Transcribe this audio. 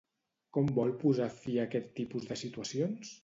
Com vol posar fi a aquest tipus de situacions?